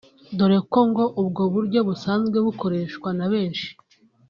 dore ko ngo ubwo buryo busanzwe bukoreshwa na benshi